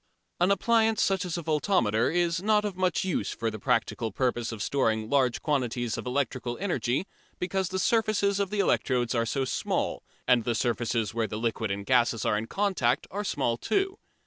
An appliance such as a voltameter is not of much use for the practical purpose of storing large quantities of electrical energy, because the surfaces of the electrodes are so small and the surfaces where liquid and gases are in contact are small too.